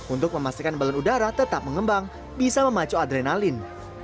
untuk memastikan balon udara tetap mengembang bisa memacu adrenalin